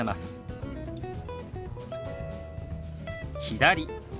「左」。